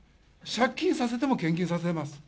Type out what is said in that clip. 借金させても献金させます。